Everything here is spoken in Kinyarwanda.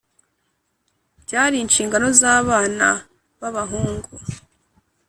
byari inshingano z’abana b’abahungu.